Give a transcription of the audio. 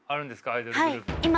アイドルグループの。